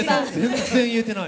全然言えてない。